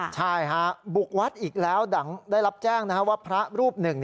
ใช่ฮะบุกวัดอีกแล้วได้รับแจ้งว่าพระรูปหนึ่ง